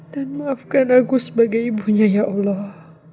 dan maafkan aku sebagai ibunya ya allah